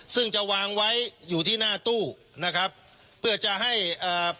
ซึ่งจะวางไว้อยู่ที่หน้าตู้นะครับเพื่อจะให้เอ่อ